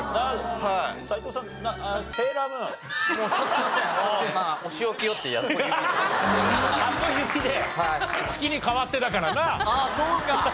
ああそうか！